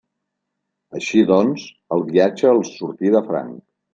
Així doncs, el viatge els sortí de franc.